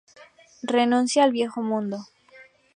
Renuncia al viejo mundo!